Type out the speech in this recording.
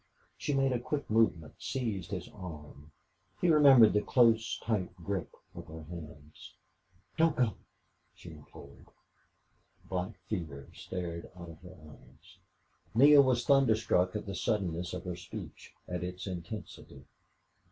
She made a quick movement seized his arm. He remembered the close, tight grip of her hands. "Don't go!" she implored. Black fear stared out of her eyes. Neale was thunderstruck at the suddenness of her speech at its intensity.